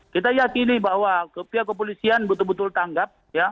kita yakini bahwa pihak kepolisian betul betul tanggap